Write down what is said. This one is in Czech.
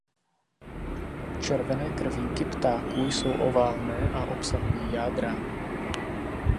Červené krvinky ptáků jsou oválné a obsahují jádra.